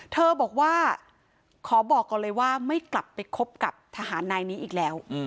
เธอบอกว่าขอบอกก่อนเลยว่าไม่กลับไปคบกับทหารนายนี้อีกแล้ว